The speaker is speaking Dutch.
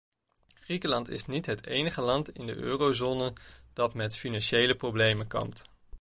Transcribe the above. Griekenland is niet het enige land in de eurozone dat met financiële problemen kampt.